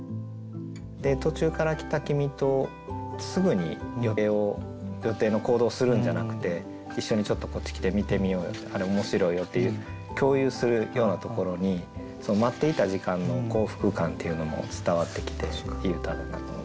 で「途中から来た君」とすぐに予定の行動をするんじゃなくて一緒にちょっとこっち来て見てみようよってあれ面白いよっていう共有するようなところに待っていた時間の幸福感っていうのも伝わってきていい歌だなと思います。